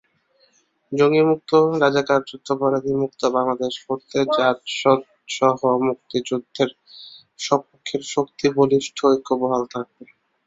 জঙ্গিমুক্ত, রাজাকার-যুদ্ধাপরাধীমুক্ত বাংলাদেশ গড়তে জাসদসহ মুক্তিযুদ্ধের সপক্ষের শক্তি বলিষ্ঠ ঐক্য বহাল থাকবে।